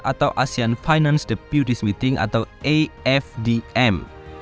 atau asean finance deputive meeting atau afdm